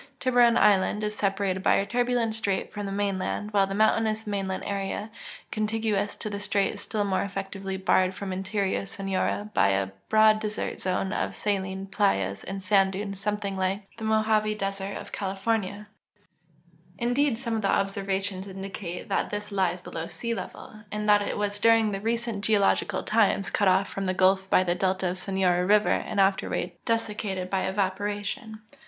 Tiburon island is separated by a turbulent strait from the mainland, while the mountainous maiidand area contiguous to the strait is still more elh'ctively barred fnjin interior Sonora by a broad desert zone of saline playas and sand dunes something like the Mojave desert of Cali fornia; indeed, some of the obs('rvations indicate that this zone 77 78 EXPLORATIONS BY THE lies below sea level, and that it was during recent geologic times cut off from the gulf by the delta of Sonora river and afterward desiccated by eva})oration.